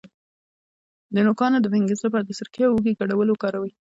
د نوکانو د فنګس لپاره د سرکې او هوږې ګډول وکاروئ